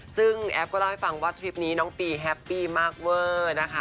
ซึ่งแอฟก็เล่าให้ฟังว่าทริปนี้น้องปีแฮปปี้มากเวอร์นะคะ